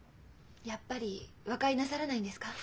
やっぱり和解なさらないんですか？